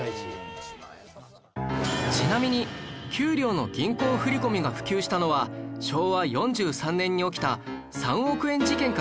ちなみに給料の銀行振込が普及したのは昭和４３年に起きた３億円事件から